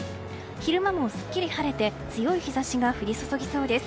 昼間もすっきり晴れて強い日差しが降り注ぎそうです。